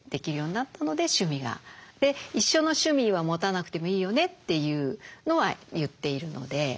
一緒の趣味は持たなくてもいいよねというのは言っているので。